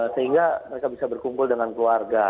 sehingga mereka bisa berkumpul dengan keluarga